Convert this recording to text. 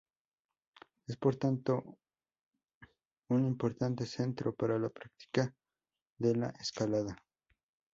Es por tanto un importante centro para la práctica de la escalada.